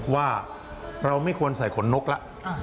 ว่าเราไม่ควรใส่ขนนกแล้ว